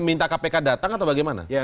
minta kpk datang atau bagaimana